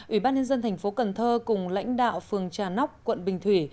ủy ban nhân dân thành phố cần thơ cùng lãnh đạo phường trà nóc quận bình thủy